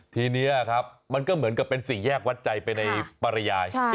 ทีนี้ครับมันก็เหมือนกับเป็นสี่แยกวัดใจไปในปริยาย